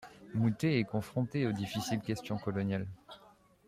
Moutet est confronté aux difficiles questions coloniales.